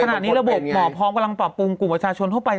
ขณะนี้ระบบหมอพร้อมกำลังปรับปรุงกลุ่มประชาชนทั่วไป